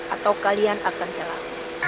atau kalian akan jalan